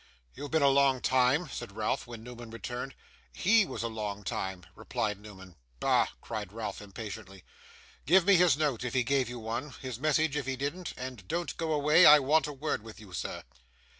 'You've been a long time,' said Ralph, when Newman returned. 'HE was a long time,' replied Newman. 'Bah!' cried Ralph impatiently. 'Give me his note, if he gave you one: his message, if he didn't. And don't go away. I want a word with you, sir.